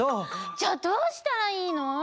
じゃあどうしたらいいの？